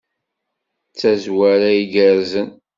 D tazwara igerrzen.